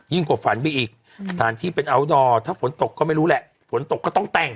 กว่าฝันไปอีกสถานที่เป็นอัลดอร์ถ้าฝนตกก็ไม่รู้แหละฝนตกก็ต้องแต่ง